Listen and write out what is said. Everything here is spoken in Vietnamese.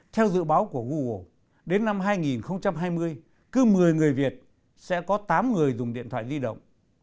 theo dự báo của google đến năm hai nghìn hai mươi cứ một mươi người việt sẽ có tám người dùng điện thoại di động